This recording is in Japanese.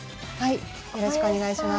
よろしくお願いします。